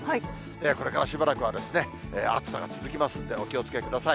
これからしばらくは暑さが続きますんで、お気をつけください。